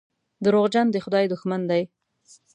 دروغجن د خدای دښمن دی.